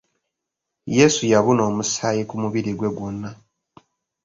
Yesu yabuna omusaayi ku mubiri gwe gwonna.